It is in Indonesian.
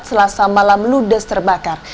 selasa malam ludes terbakar